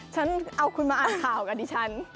ฉันเอาคุณมาอ่านข่าวกับดิฉัน